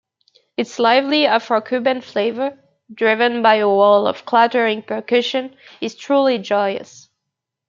Its lively Afro-Cuban flavor, driven by a wall of clattering percussion, is truly joyous.